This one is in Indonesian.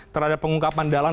terhadap pengungkapan dalang